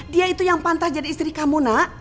dia itu yang pantas jadi istri kamu nak